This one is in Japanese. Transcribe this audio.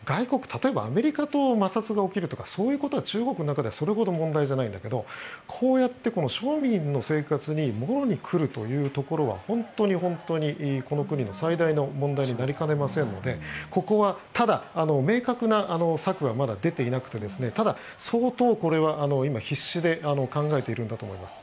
例えばアメリカと摩擦が起きるとかそういうことは中国の中ではそれほど問題じゃないんだけどこうやって庶民の生活にもろに来るというところは本当に本当にこの国の最大の問題になりかねませんのでただ、明確な策はまだ出ていなくてただ、相当これは必死で考えているんだと思います。